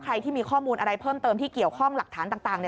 ใครที่มีข้อมูลอะไรเพิ่มเติมที่เกี่ยวข้องหลักฐานต่าง